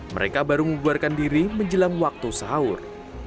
mereka baru membuarkan diri menjelang waktu sahur